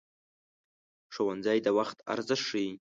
ښوونځی د وخت ارزښت ښيي